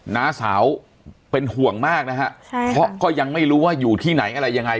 น้าสาวเป็นห่วงมากนะฮะใช่เพราะก็ยังไม่รู้ว่าอยู่ที่ไหนอะไรยังไง